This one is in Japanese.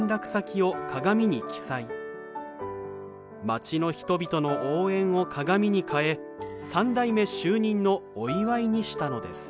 町の人々の応援を鏡に変え３代目就任のお祝いにしたのです。